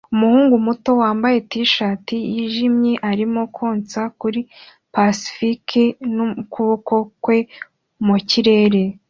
Umuhungu muto wambaye t-shati yijimye arimo konsa kuri pacifier n'ukuboko kwe mu kirere